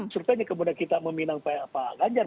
surveinya kemudian kita meminang pak ganjar